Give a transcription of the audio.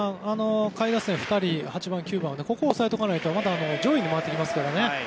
下位打線２人、８番、９番をここを抑えとかないとまた上位に回ってきますからね。